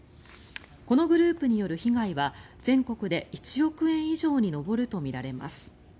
このグループによる被害は全国で１億円以上に上るとみられます。